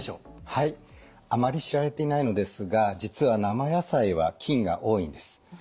はいあまり知られていないのですが実は生野菜は菌が多いんです。